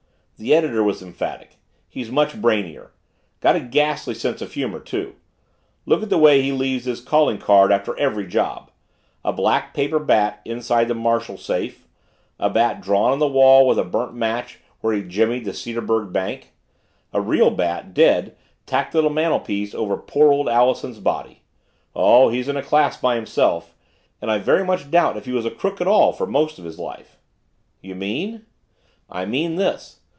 The editor was emphatic. "He's much brainier. Got a ghastly sense of humor, too. Look at the way he leaves his calling card after every job a black paper bat inside the Marshall safe a bat drawn on the wall with a burnt match where he'd jimmied the Cedarburg Bank a real bat, dead, tacked to the mantelpiece over poor old Allison's body. Oh, he's in a class by himself and I very much doubt if he was a crook at all for most of his life." "You mean?" "I mean this.